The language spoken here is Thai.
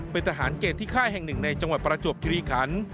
เป็นทหารเกณฑ์ที่ค่ายแห่งหนึ่งในจังหวัดประจวบคิริคัน